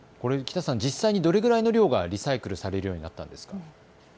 実際にどれくらいの量がリサイクルされるようになったんですか。